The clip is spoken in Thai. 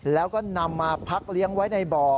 แล้วก็นำมาพักเลี้ยงไว้ในบ่อ